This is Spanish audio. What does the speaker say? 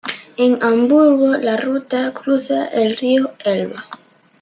En Hamburgo la ruta cruza el río Elba.